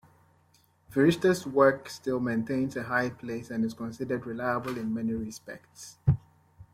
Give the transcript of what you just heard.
Firishta's work still maintains a high place and is considered reliable in many respects.